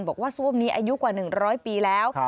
บอกว่าสวบนี้อายุกว่า๑๐๐ปีแล้ว